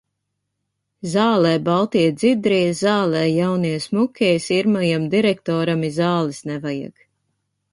Zālē baltie dzidrie, zālē jaunie smukie, sirmajam direktoram i zāles nevajag.